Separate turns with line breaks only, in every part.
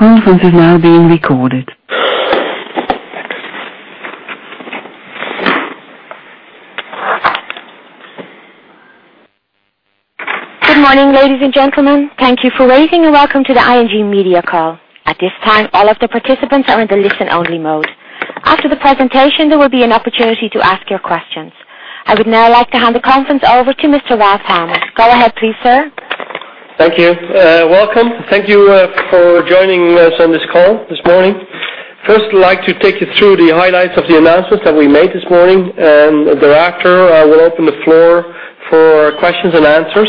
The conference is now being recorded. Good morning, ladies and gentlemen. Thank you for waiting, and welcome to the ING media call. At this time, all of the participants are in the listen-only mode. After the presentation, there will be an opportunity to ask your questions. I would now like to hand the conference over to Mr. Ralph Hamers. Go ahead please, sir.
Thank you. Welcome. Thank you for joining us on this call this morning. First, I'd like to take you through the highlights of the announcements that we made this morning. Thereafter, I will open the floor for questions and answers.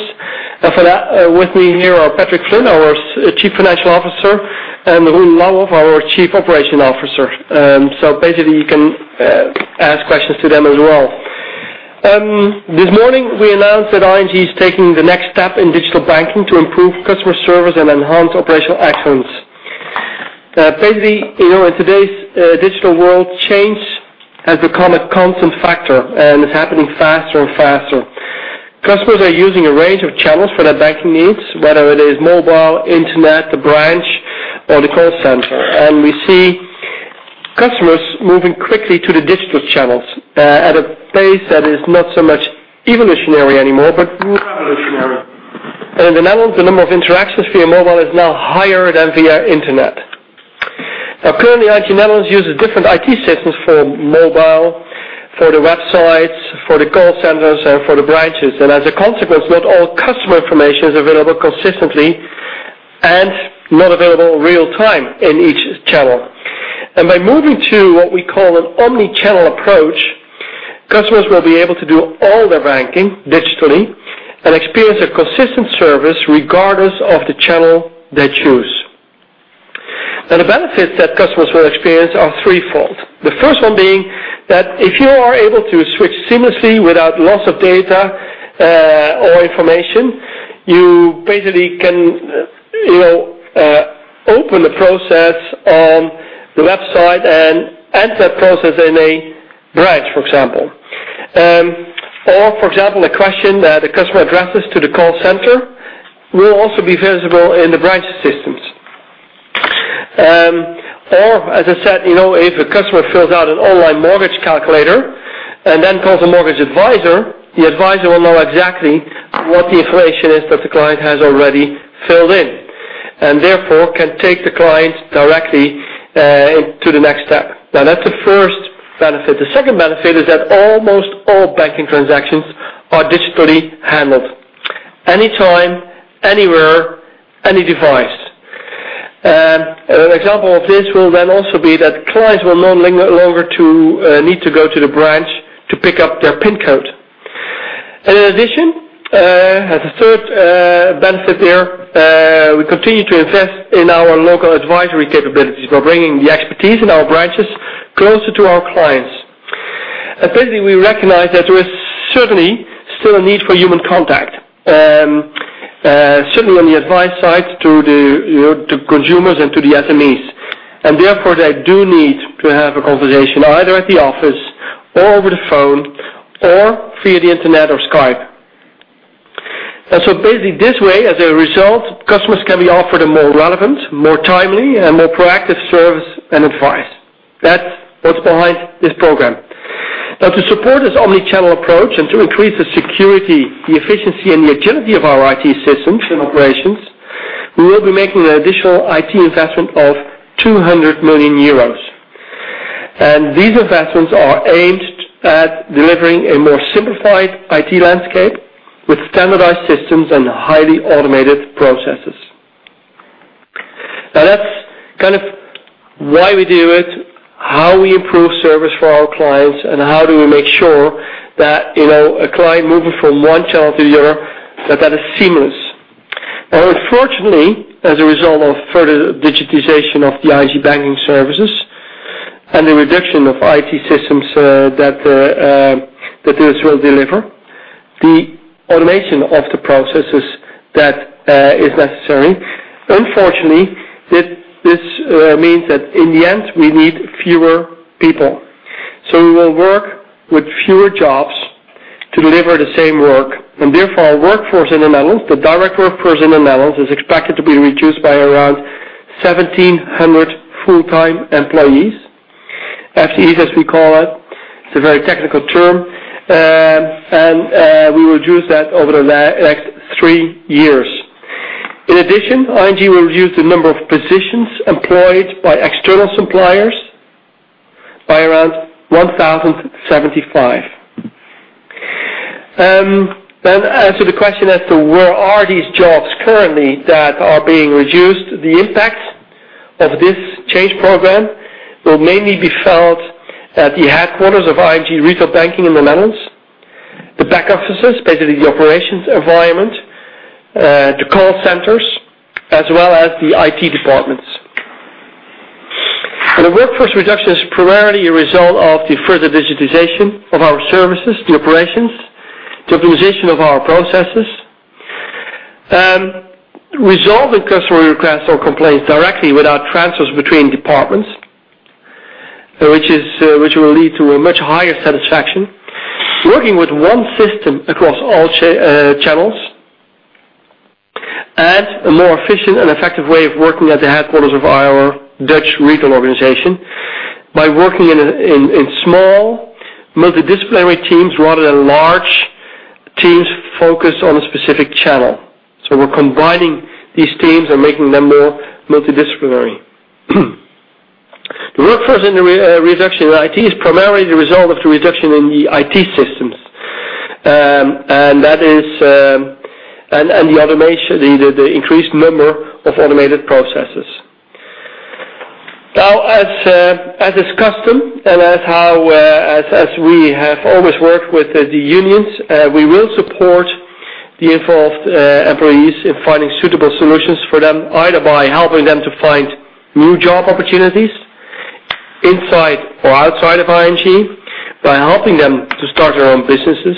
For that, with me here are Patrick Flynn, our Chief Financial Officer, and Roel Louwhoff, our Chief Operation Officer. Basically, you can ask questions to them as well. This morning, we announced that ING is taking the next step in digital banking to improve customer service and enhance operational excellence. Basically, in today's digital world, change has become a constant factor, and it's happening faster and faster. Customers are using a range of channels for their banking needs, whether it is mobile, internet, the branch, or the call center. We see customers moving quickly to the digital channels, at a pace that is not so much evolutionary anymore, but revolutionary. In the Netherlands, the number of interactions via mobile is now higher than via internet. Currently, ING Netherlands uses different IT systems for mobile, for the websites, for the call centers, and for the branches. As a consequence, not all customer information is available consistently and not available real time in each channel. By moving to what we call an omni-channel approach, customers will be able to do all their banking digitally and experience a consistent service regardless of the channel they choose. The benefits that customers will experience are threefold. The first one being that if you are able to switch seamlessly without loss of data or information, you basically can open the process on the website and end that process in a branch, for example. For example, a question that a customer addresses to the call center will also be visible in the branch systems. As I said, if a customer fills out an online mortgage calculator and then calls a mortgage advisor, the advisor will know exactly what the information is that the client has already filled in, and therefore, can take the client directly to the next step. That's the first benefit. The second benefit is that almost all banking transactions are digitally handled. Anytime, anywhere, any device. An example of this will then also be that clients will no longer need to go to the branch to pick up their PIN code. In addition, as a third benefit here, we continue to invest in our local advisory capabilities by bringing the expertise in our branches closer to our clients. Basically, we recognize that there is certainly still a need for human contact. Certainly on the advice side to consumers and to the SMEs. Therefore, they do need to have a conversation either at the office or over the phone or via the internet or Skype. Basically, this way, as a result, customers can be offered a more relevant, more timely, and more proactive service and advice. That's what's behind this program. To support this omni-channel approach and to increase the security, the efficiency, and the agility of our IT systems and operations, we will be making an additional IT investment of 200 million euros. These investments are aimed at delivering a more simplified IT landscape with standardized systems and highly automated processes. That's kind of why we do it, how we improve service for our clients, and how do we make sure that a client moving from one channel to the other, that that is seamless. Unfortunately, as a result of further digitization of the ING banking services and the reduction of IT systems that this will deliver, the automation of the processes that is necessary. Unfortunately, this means that in the end, we need fewer people. We will work with fewer jobs to deliver the same work, therefore our workforce in the Netherlands, the direct workforce in the Netherlands, is expected to be reduced by around 1,700 full-time employees. FTEs, as we call it. It's a very technical term. We reduce that over the next three years. In addition, ING will reduce the number of positions employed by external suppliers by around 1,075. To answer the question as to where are these jobs currently that are being reduced, the impact of this change program will mainly be felt at the headquarters of ING Retail Banking in the Netherlands, the back offices, basically the operations environment, the call centers, as well as the IT departments. The workforce reduction is primarily a result of the further digitization of our services, the operations, the optimization of our processes. Resolving customer requests or complaints directly without transfers between departments which will lead to a much higher satisfaction. Working with one system across all channels, and a more efficient and effective way of working at the headquarters of our Dutch retail organization by working in small multidisciplinary teams rather than large teams focused on a specific channel. We're combining these teams and making them more multidisciplinary. The workforce reduction in IT is primarily the result of the reduction in the IT systems, and the increased number of automated processes. As is custom and as we have always worked with the unions, we will support the involved employees in finding suitable solutions for them, either by helping them to find new job opportunities inside or outside of ING, by helping them to start their own businesses,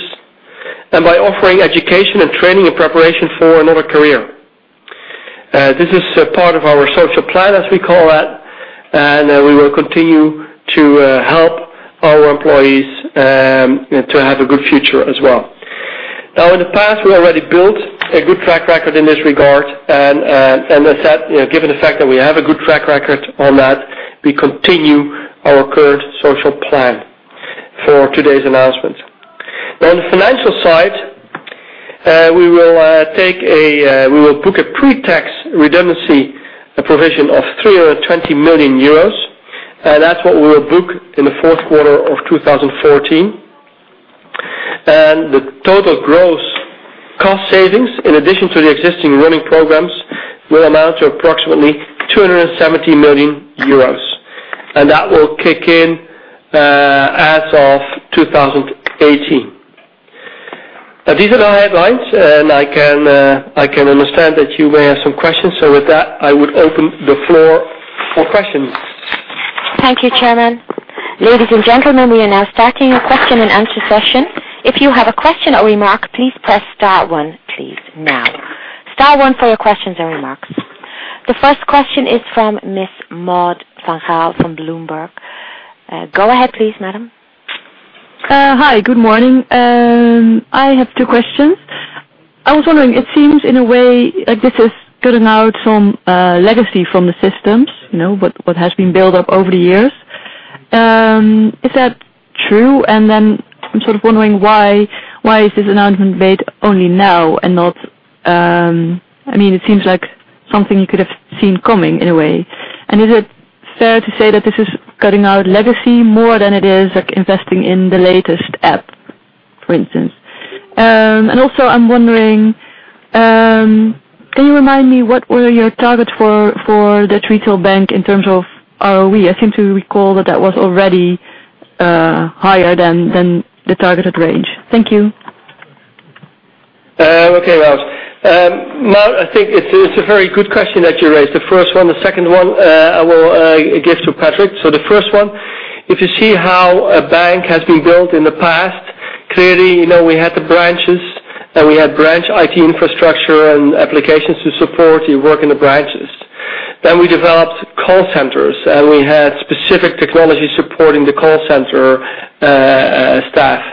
and by offering education and training in preparation for another career. This is part of our social plan, as we call it, we will continue to help our employees to have a good future as well. In the past, we already built a good track record in this regard, given the fact that we have a good track record on that, we continue our current social plan for today's announcement. On the financial side, we will book a pre-tax redundancy, a provision of 320 million euros, and that's what we will book in the fourth quarter of 2014. The total gross cost savings, in addition to the existing running programs, will amount to approximately 270 million euros. That will kick in as of 2018. These are the headlines, I can understand that you may have some questions. With that, I would open the floor for questions.
Thank you, Chairman. Ladies and gentlemen, we are now starting your question and answer session. If you have a question or remark, please press star one, please, now. Star one for your questions and remarks. The first question is from Miss Maud van Gaal from Bloomberg. Go ahead please, madam.
Hi. Good morning. I have two questions. I was wondering, it seems in a way this is cutting out some legacy from the systems, what has been built up over the years. Is that true? Then I'm sort of wondering why is this announcement made only now and not It seems like something you could have seen coming in a way. Is it fair to say that this is cutting out legacy more than it is investing in the latest app, for instance? Also, I'm wondering, can you remind me what were your targets for the retail bank in terms of ROE? I seem to recall that that was already higher than the targeted range. Thank you.
Okay. Maud, I think it's a very good question that you raised, the first one. The second one, I will give to Patrick. The first one, if you see how a bank has been built in the past, clearly, we had the branches and we had branch IT infrastructure and applications to support the work in the branches. We developed call centers, we had specific technology supporting the call center staff.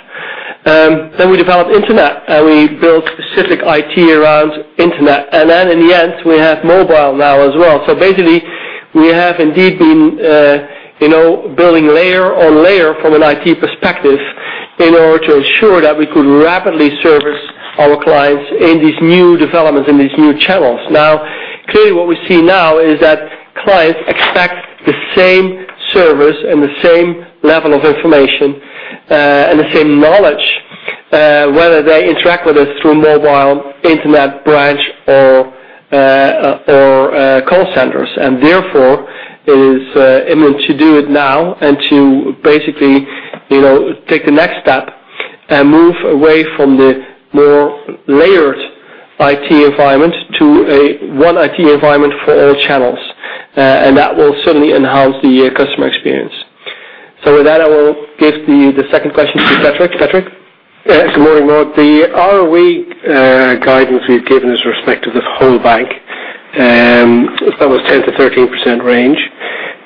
We developed internet, we built specific IT around internet. In the end, we have mobile now as well. Basically, we have indeed been building layer on layer from an IT perspective in order to ensure that we could rapidly service our clients in these new developments, in these new channels. Clearly what we see now is that clients expect the same service and the same level of information and the same knowledge, whether they interact with us through mobile, internet, branch, or call centers. Therefore, it is imminent to do it now and to basically take the next step and move away from the more layered IT environment to a one IT environment for all channels. That will certainly enhance the customer experience. With that, I will give the second question to Patrick. Patrick?
Yes. Good morning, Maud. The ROE guidance we've given is respective to the whole bank. That was 10%-13% range.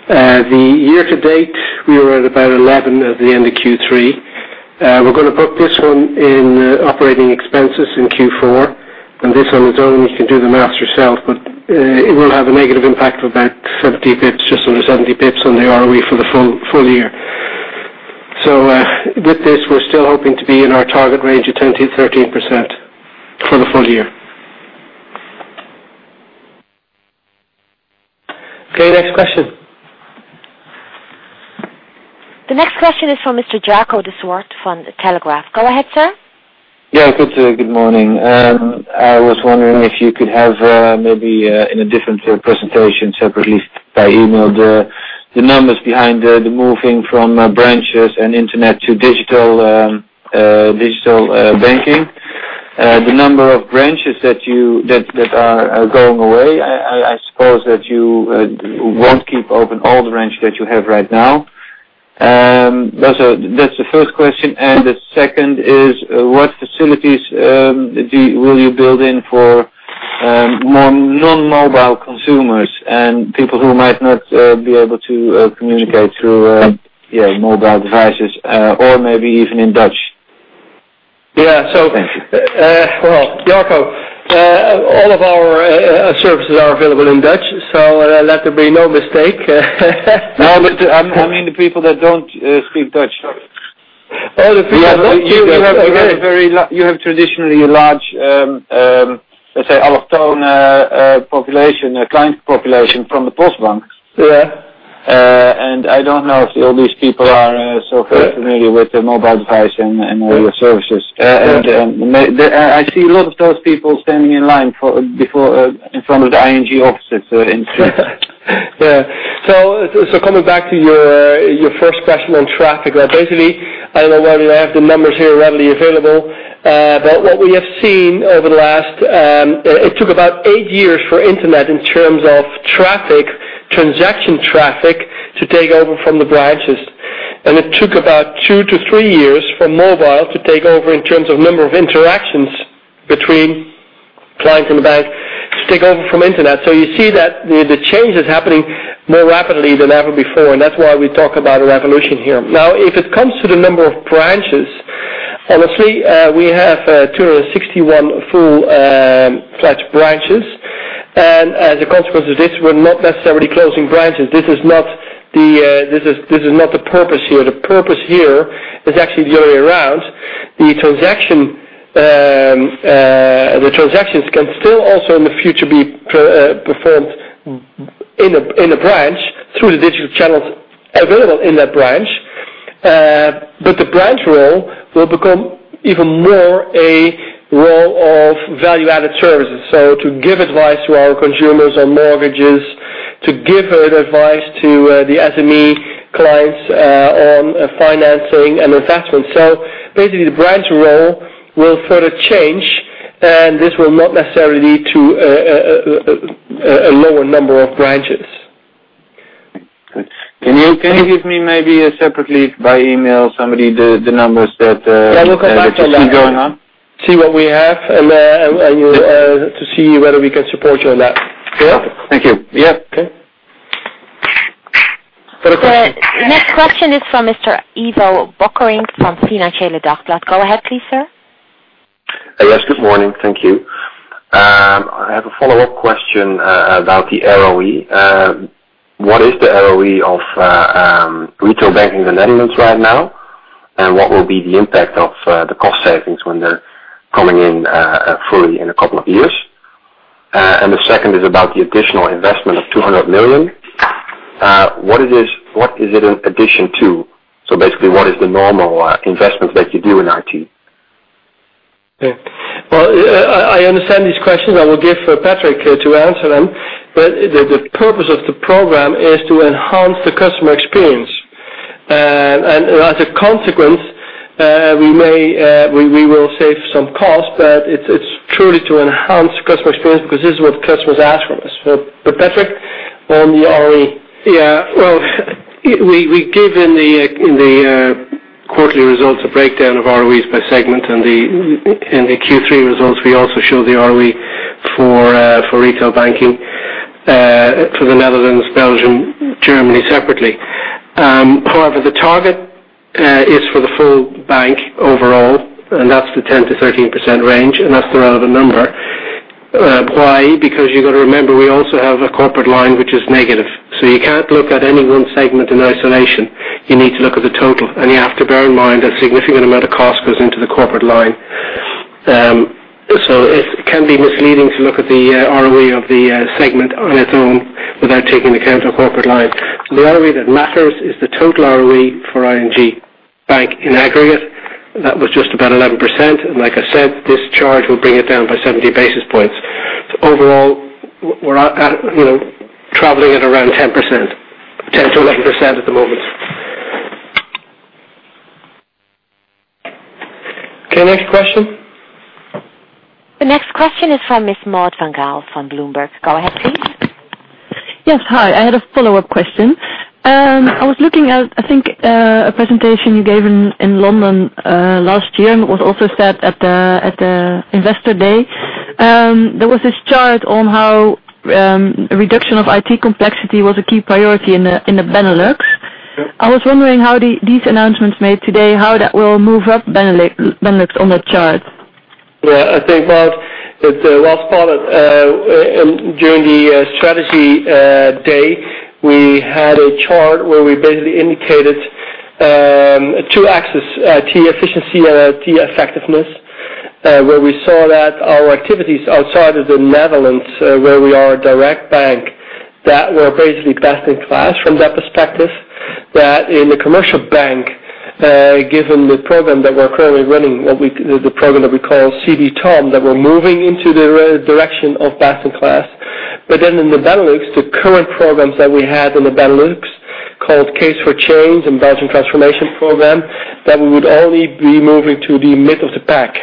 The year to date, we were at about 11 at the end of Q3. We're going to put this one in operating expenses in Q4. This on its own, you can do the math yourself, but it will have a negative impact of about 70 bps, just under 70 bps on the ROE for the full year. With this, we're still hoping to be in our target range of 10%-13% for the full year.
Okay. Next question.
The next question is from Mr. Jacco de Zwart from The Telegraph. Go ahead, sir.
Yeah. Good morning. I was wondering if you could have, maybe in a different presentation separately by email, the numbers behind the moving from branches and internet to digital banking. The number of branches that are going away. I suppose that you won't keep open all the branches that you have right now. That's the first question. The second is what facilities will you build in for More non-mobile consumers and people who might not be able to communicate through mobile devices or maybe even in Dutch.
Yeah. Well, Jacco, all of our services are available in Dutch, let there be no mistake.
No, I mean the people that don't speak Dutch.
Oh, the people that don't speak Dutch. Okay.
You have traditionally a large, let's say, population, a client population from the Postbank.
Yeah.
I don't know if all these people are so familiar with the mobile device and all your services.
Good.
I see a lot of those people standing in line in front of the ING offices in street.
Coming back to your first question on traffic, basically, I don't have the numbers here readily available. What we have seen over the last It took about eight years for internet in terms of transaction traffic to take over from the branches. It took about two to three years for mobile to take over in terms of number of interactions between client and the bank, to take over from internet. You see that the change is happening more rapidly than ever before, and that's why we talk about a revolution here. If it comes to the number of branches, honestly, we have 261 full-fledged branches, and as a consequence of this, we're not necessarily closing branches. This is not the purpose here. The purpose here is actually the other way around. The transactions can still also in the future be performed in the branch through the digital channels available in that branch. The branch role will become even more a role of value-added services. To give advice to our consumers on mortgages, to give advice to the SME clients on financing and investment. Basically, the branch role will further change, and this will not necessarily lead to a lower number of branches.
Good. Can you give me maybe separately by email, summary the numbers that you're going on?
Yeah, we can absolutely see what we have to see whether we can support you on that. Yeah.
Thank you.
Yeah. Okay.
The next question is from Mr. Ivo Bökkerink from Het Financieele Dagblad. Go ahead, please, sir.
Yes, good morning. Thank you. I have a follow-up question about the ROE. What is the ROE of Retail Banking in the Netherlands right now, and what will be the impact of the cost savings when they're coming in fully in a couple of years? The second is about the additional investment of 200 million. What is it in addition to? Basically, what is the normal investments that you do in IT?
Yeah. Well, I understand these questions. I will give Patrick to answer them. The purpose of the program is to enhance the customer experience. As a consequence, we will save some cost, but it's truly to enhance customer experience because this is what customers ask from us. Patrick, on the ROE.
Well, we give in the quarterly results a breakdown of ROEs by segment. In the Q3 results, we also show the ROE for retail banking, for the Netherlands, Belgium, Germany separately. However, the target is for the full bank overall, that's the 10%-13% range, and that's the relevant number. Why? Because you've got to remember, we also have a corporate line, which is negative. You can't look at any one segment in isolation. You need to look at the total, and you have to bear in mind a significant amount of cost goes into the corporate line. It can be misleading to look at the ROE of the segment on its own without taking account of corporate line. The ROE that matters is the total ROE for ING Bank in aggregate. That was just about 11%. Like I said, this charge will bring it down by 70 basis points. Overall, we're traveling at around 10%-11% at the moment.
Okay, next question.
The next question is from Miss Maud van Gaal from Bloomberg. Go ahead, please.
Yes, hi. I had a follow-up question. I was looking at, I think, a presentation you gave in London last year, and it was also said at the investor day. There was this chart on how reduction of IT complexity was a key priority in the Benelux.
Yeah.
I was wondering how these announcements made today, how that will move up Benelux on the chart.
Yeah, I think, Maud, it was during the strategy day, we had a chart where we basically indicated two axis, IT efficiency and IT effectiveness, where we saw that our activities outside of the Netherlands, where we are a direct bank, that we're basically best in class from that perspective. In the commercial bank, given the program that we're currently running, the program that we call CDTom, that we're moving into the direction of best in class. In the Benelux, the current programs that we had in the Benelux, called Case for Change and Belgium Transformation Program, that we would only be moving to the mid of the pack.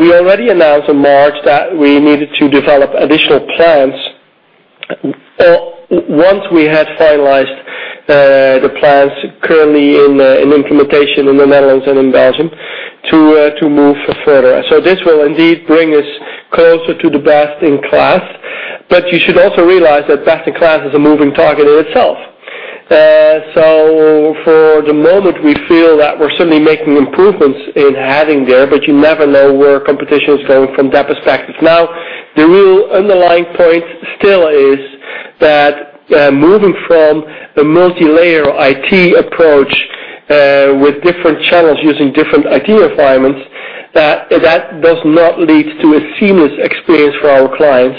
We already announced in March that we needed to develop additional plans once we have finalized the plans currently in implementation in the Netherlands and in Belgium to move further. This will indeed bring us closer to the best in class. You should also realize that best in class is a moving target in itself. For the moment, we feel that we're certainly making improvements in heading there, but you never know where competition is going from that perspective. Now, the real underlying point still is that moving from a multilayer IT approach with different channels using different IT environments, that does not lead to a seamless experience for our clients,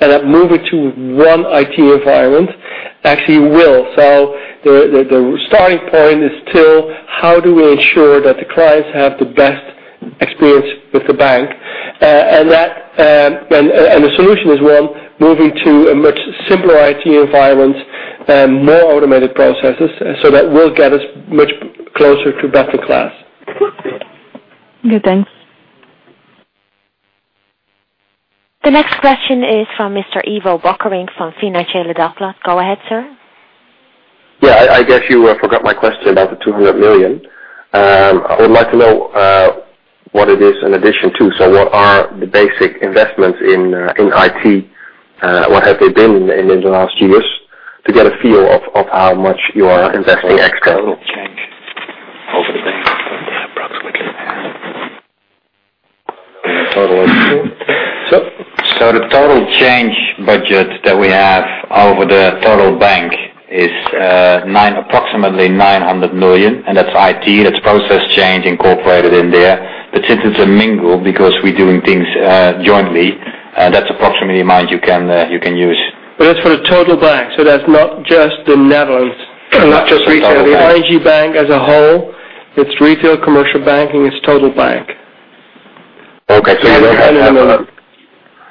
and that moving to one IT environment actually will. The starting point is still how do we ensure that the clients have the best experience with the bank. The solution is, one, moving to a much simpler IT environment and more automated processes, so that will get us much closer to best of class.
Okay, thanks.
The next question is from Mr. Ivo Bökkerink from Financieele Dagblad. Go ahead, sir.
Yeah. I guess you forgot my question about the 200 million. I would like to know what it is in addition to. What are the basic investments in IT? What have they been in the last years, to get a feel of how much you are investing extra?
Change over the bank approximately.
The total change budget that we have over the total bank is approximately 900 million, and that's IT, that's process change incorporated in there. Since it's a mingle, because we're doing things jointly, that's approximately in mind you can use.
That's for the total bank. That's not just the Netherlands, not just retail. The ING Bank as a whole, it's retail, commercial banking, it's total bank.
Okay.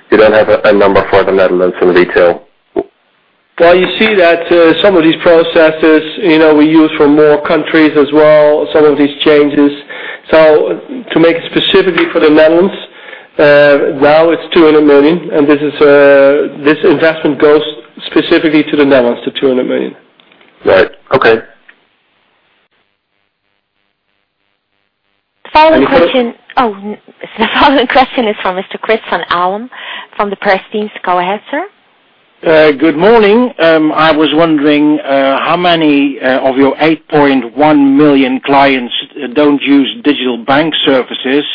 You don't have a number for the Netherlands in detail.
Well, you see that some of these processes we use for more countries as well, some of these changes. To make it specifically for the Netherlands, now it's 200 million, and this investment goes specifically to the Netherlands, the 200 million.
Right. Okay.
The following question is from Mr. Chris van Aalten from the Press Teams. Go ahead, sir.
Good morning. I was wondering how many of your 8.1 million clients don't use digital bank services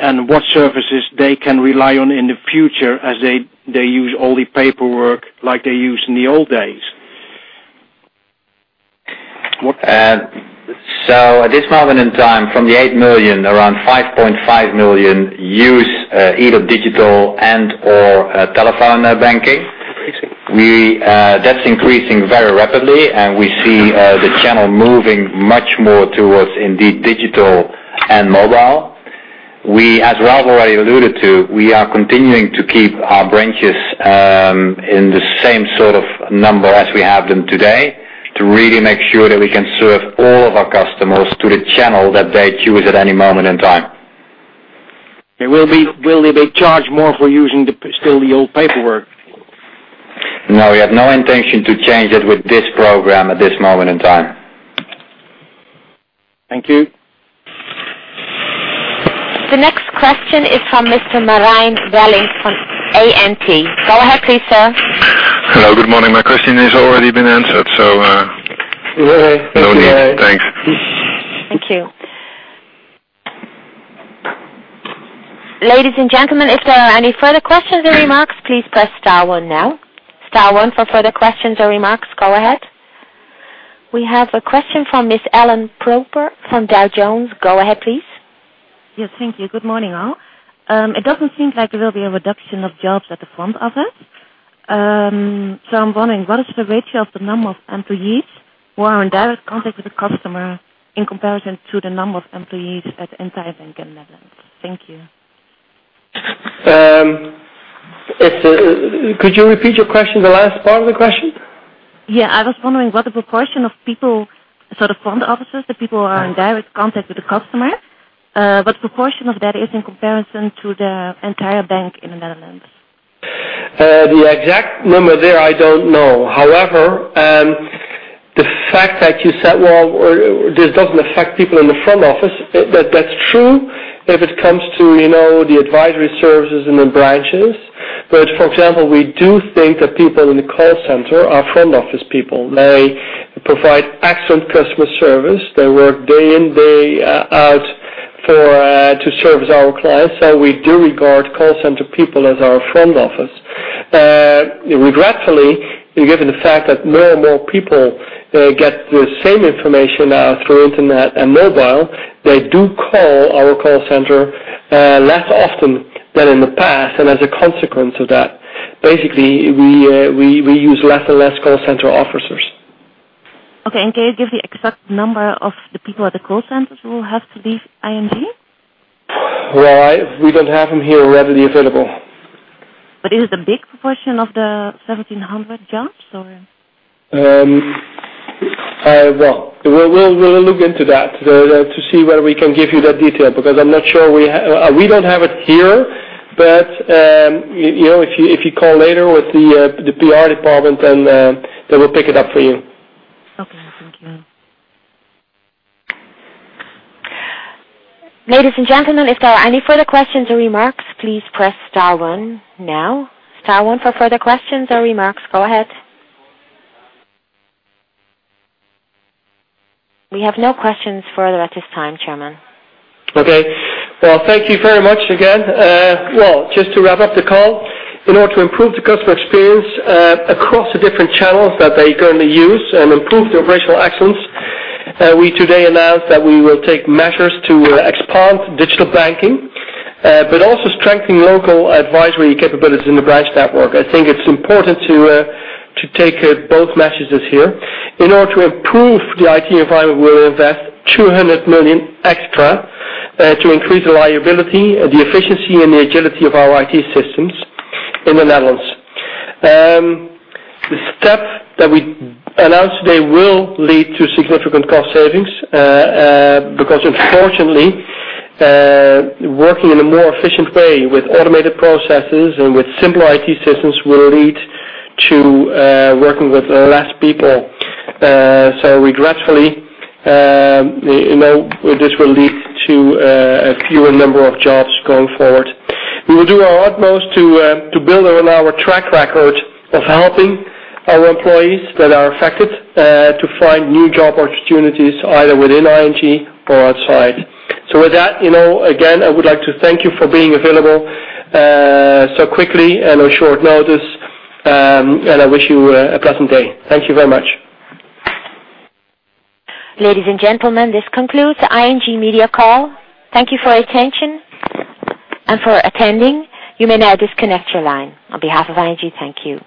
and what services they can rely on in the future as they use only paperwork like they used in the old days.
At this moment in time, from the 8 million, around 5.5 million use either digital and/or telephone banking. That's increasing very rapidly, and we see the channel moving much more towards indeed digital and mobile. As Ralph already alluded to, we are continuing to keep our branches in the same sort of number as we have them today to really make sure that we can serve all of our customers through the channel that they choose at any moment in time.
Will they be charged more for using still the old paperwork?
No, we have no intention to change that with this program at this moment in time.
Thank you.
The next question is from Mr. Marijn Welling from ANP. Go ahead, please, sir.
Hello. Good morning. My question has already been answered, no need. Thanks.
Thank you. Ladies and gentlemen, if there are any further questions or remarks, please press star one now. Star one for further questions or remarks. Go ahead. We have a question from Ms. Ellen Proper from Dow Jones. Go ahead, please.
Yes. Thank you. Good morning, all. It doesn't seem like there will be a reduction of jobs at the front office. I'm wondering, what is the ratio of the number of employees who are in direct contact with the customer in comparison to the number of employees at entire bank in Netherlands? Thank you.
Could you repeat your question, the last part of the question?
Yeah. I was wondering what the proportion of people, sort of front officers, the people who are in direct contact with the customer, what proportion of that is in comparison to the entire bank in the Netherlands?
The exact number there, I don't know. The fact that you said, well, this doesn't affect people in the front office, that's true if it comes to the advisory services in the branches. For example, we do think that people in the call center are front office people. They provide excellent customer service. They work day in, day out to service our clients. We do regard call center people as our front office. Regretfully, given the fact that more and more people get the same information out through internet and mobile, they do call our call center less often than in the past, as a consequence of that, basically, we use less and less call center officers.
Okay. Can you give the exact number of the people at the call centers who have to leave ING?
Well, we don't have them here readily available.
Is it a big proportion of the 1,700 jobs or?
We'll look into that to see whether we can give you that detail, because we don't have it here. If you call later with the PR department, then they will pick it up for you.
Thank you.
Ladies and gentlemen, if there are any further questions or remarks, please press star one now. Star one for further questions or remarks. Go ahead. We have no questions further at this time, Chairman.
Okay. Thank you very much again. To wrap up the call, in order to improve the customer experience across the different channels that they're going to use and improve the operational excellence, we today announced that we will take measures to expand digital banking, strengthen local advisory capabilities in the branch network. I think it's important to take both messages here. In order to improve the IT environment, we will invest 200 million extra to increase the reliability, the efficiency, and the agility of our IT systems in the Netherlands. The step that we announced today will lead to significant cost savings, because unfortunately, working in a more efficient way with automated processes and with simpler IT systems will lead to working with less people. Regretfully, this will lead to a fewer number of jobs going forward. We will do our utmost to build on our track record of helping our employees that are affected, to find new job opportunities either within ING or outside. With that, again, I would like to thank you for being available so quickly and on short notice, I wish you a pleasant day. Thank you very much.
Ladies and gentlemen, this concludes the ING media call. Thank you for your attention and for attending. You may now disconnect your line. On behalf of ING, thank you.